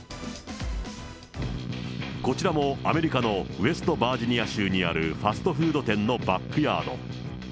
こちらもアメリカのウェストバージニア州にある、ファストフード店のバックヤード。